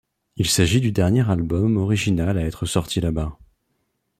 Il s'agit du dernier album original à être sorti là-bas.